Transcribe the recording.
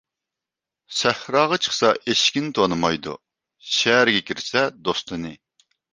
سەھراغا چىقسا ئېشىكىنى تونۇمايدۇ، شەھەرگە كىرسە دوستىنى.